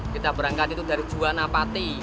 kita berangkat itu dari juwana pati